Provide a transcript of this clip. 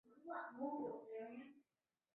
亦会出现某些动物作出帮助。